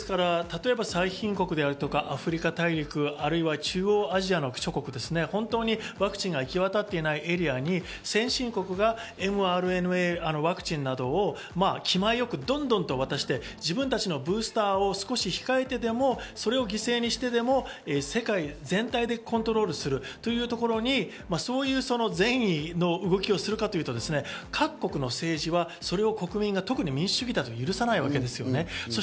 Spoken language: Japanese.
最貧国であるとか、アフリカ大陸、中央アジアの諸国、ワクチンが行き渡っていないエリアに先進国がｍＲＮＡワクチンなどを気前よくどんどんと渡して、自分たちのブースターを少し控えてでもそれを犠牲にしてでも世界全体でコントロールするというところにそういう善意の動きをするかというと、各国の政治は国民が民主主義だと特に許さないわけです。